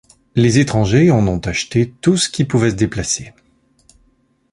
Les étrangers en ont acheté tout ce qui pouvait se déplacer.